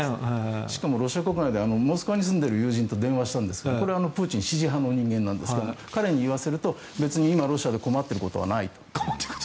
しかもロシア国内でモスクワに住んでいる友人と電話したんですがプーチン支持派なんですが彼に言わせると別に今、ロシアで困っていることはないと。